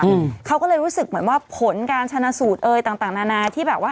อืมเขาก็เลยรู้สึกเหมือนว่าผลการชนะสูตรเอ่ยต่างต่างนานาที่แบบว่า